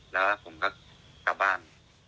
แล้วผมก็กลับบ้าน